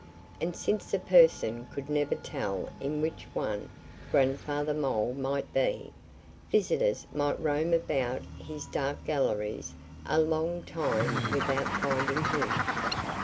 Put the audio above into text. And since a person could never tell in which one Grandfather Mole might be, visitors might roam about his dark galleries a long time without finding him.